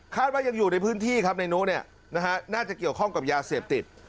คาดว่ายังอยู่ในพื้นที่ครับในนุ๊กน่าจะเกี่ยวข้องกับยาเสนมติด